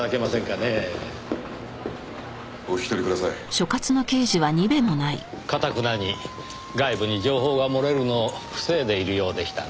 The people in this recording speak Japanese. かたくなに外部に情報が漏れるのを防いでいるようでしたねぇ。